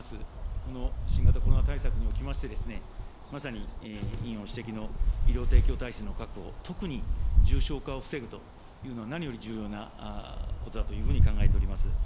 この新型コロナ対策におきまして、まさに委員ご指摘の医療提供体制の確保、特に重症化を防ぐというのは何より重要なことだというふうに考えております。